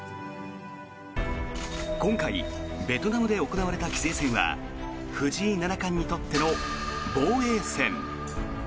今回、ベトナムで行われた棋聖戦は藤井七冠にとっての防衛戦。